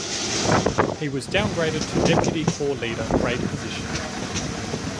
He was downgraded to deputy corps leader grade position.